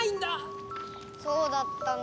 そうだったんだ。